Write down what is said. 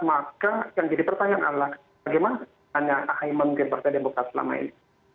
maka yang jadi pertanyaan adalah bagaimana hanya ahi memimpin partai demokrat selama ini